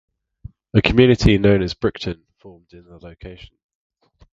A community known as Brickton formed in the location.